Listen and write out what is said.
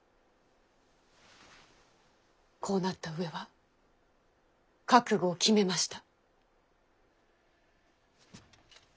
こうなった上は覚悟を決めました。